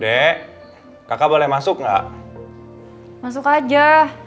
dek kakak boleh masuk nggak masuk aja